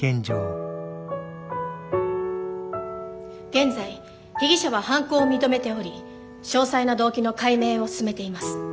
現在被疑者は犯行を認めており詳細な動機の解明を進めています。